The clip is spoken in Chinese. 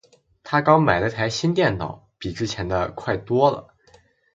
她刚买了台新电脑，比之前的快多了。